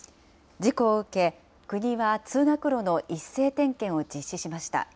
事故を受け、国は通学路の一斉点検を実施しました。